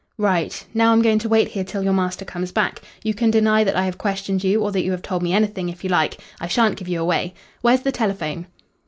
"Right. Now I'm going to wait here till your master comes back. You can deny that I have questioned you, or that you have told me anything, if you like. I shan't give you away. Where's the telephone?"